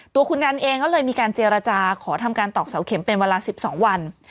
ตัวคุณกันเองก็เลยมีการเจรจาขอทำการตอกเสาเข็มเป็นเวลา๑๒วัน